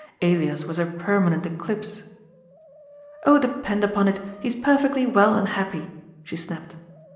Elias was her permanent eclipse. " Oh, de pend upon it, he is perfectly well and happy," she snapped.